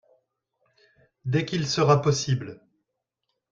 Dès qu'il sera possible.